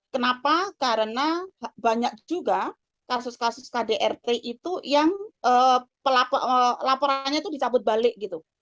kenapa karena banyak juga kasus kasus kdrt itu yang laporannya itu dicabut balik gitu